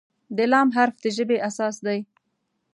د "ل" حرف د ژبې اساس دی.